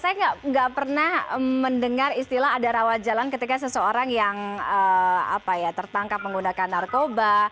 saya nggak pernah mendengar istilah ada rawat jalan ketika seseorang yang tertangkap menggunakan narkoba